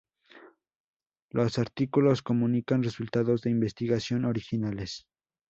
Los artículos comunican resultados de investigación originales.